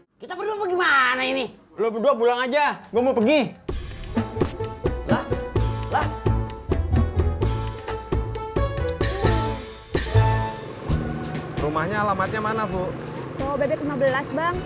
hai kita berdua gimana ini lo berdua pulang aja gue mau pergi rumahnya alamatnya mana